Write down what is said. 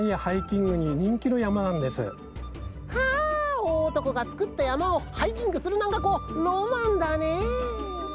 あおおおとこがつくったやまをハイキングするなんかこうロマンだね！